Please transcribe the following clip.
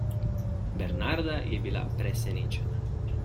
Bernarda je bila presenečena.